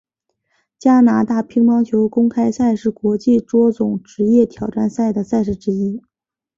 加拿大乒乓球公开赛是国际桌总职业挑战赛的赛事之一。